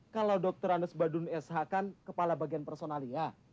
kalau dr anas badun sh kan kepala bagian personalia